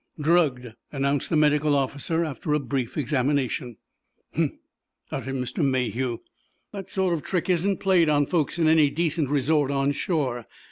"Drugged," announced the medical officer, after a brief examination. "Humph!" uttered Mr. Mayhew. "That sort of trick isn't played on folks in any decent resort on shore.